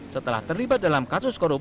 setelah terlibat dalam kasus korupsi